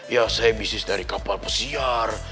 ya saya bisnis dari kapal pesiar